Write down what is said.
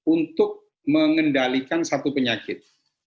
untuk mengendalikan satu penyakit